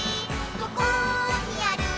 どこにある？